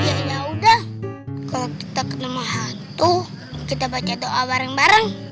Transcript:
ya yaudah kalau kita kena hantu kita baca doa bareng bareng